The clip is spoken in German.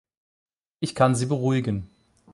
Ich kann sie beruhigen.